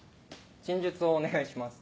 陳述をお願いします。